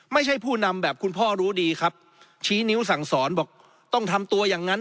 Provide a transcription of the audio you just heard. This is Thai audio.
ผู้นำแบบคุณพ่อรู้ดีครับชี้นิ้วสั่งสอนบอกต้องทำตัวอย่างนั้น